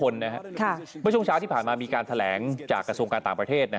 เมื่อช่วงเช้าที่ผ่านมามีการแถลงจากกระทรวงการต่างประเทศ